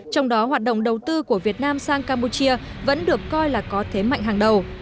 trong đó hoạt động đầu tư của việt nam sang campuchia vẫn được coi là có thế mạnh hàng đầu